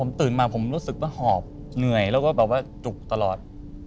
ผมตื่นมาผมรู้สึกว่าหอบเหนื่อยแล้วก็แบบว่าจุกตลอด